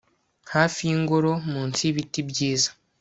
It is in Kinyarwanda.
Hafi yingoro munsi yibiti byiza